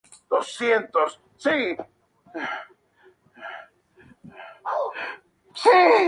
Esta construcción se atribuye al arquitecto Vignola.